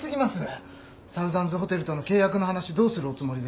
サウザンズホテルとの契約の話どうするおつもりですか？